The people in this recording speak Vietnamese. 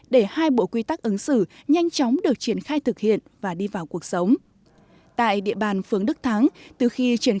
để hệ thống quy tắc ứng xử này ngày càng đi vào cuộc sống phong trào nhân rộng các mô hình điểm